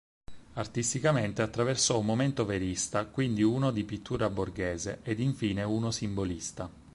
Artisticamente attraversò un momento verista, quindi uno di "pittura borghese", ed infine uno simbolista.